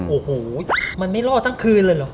โอ้โหมันไม่รอดทั้งคืนเลยเหรอ